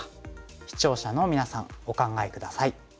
視聴者のみなさんお考え下さい。